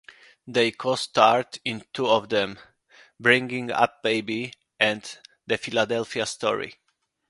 They co-starred in two of them - "Bringing Up Baby" and "The Philadelphia Story".